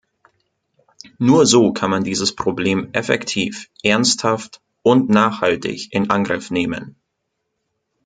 Nur so kann man dieses Problem effektiv, ernsthaft und nachhaltig in Angriff nehmen.